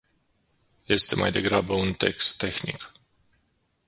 Este mai degrabă un text tehnic.